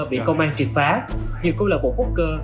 bị công an triệt phá nhiều công lập bộ bốc cơ